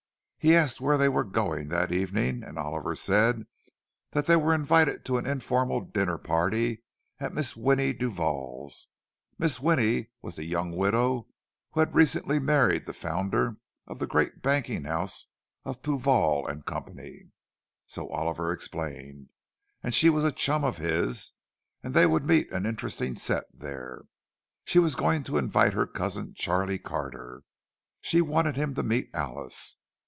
He asked where they were going that evening, and Oliver said that they were invited to an informal dinner party at Mrs. Winnie Duval's. Mrs. Winnie was the young widow who had recently married the founder of the great banking house of Duval and Co.—so Oliver explained; she was a chum of his, and they would meet an interesting set there. She was going to invite her cousin, Charlie Carter—she wanted him to meet Alice.